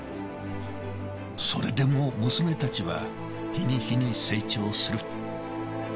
それでも娘たちは日に日に成長する。